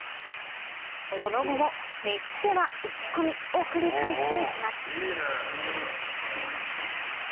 その後も熱しては打ち込みを繰り返していきますいいね。